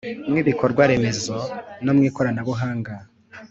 mu ibikorwa remezo, no mu ikoranabuhanga